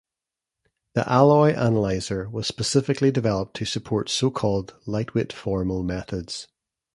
The Alloy Analyzer was specifically developed to support so-called "lightweight formal methods".